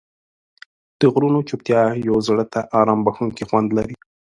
د غرونو چوپتیا یو زړه ته آرام بښونکی خوند لري.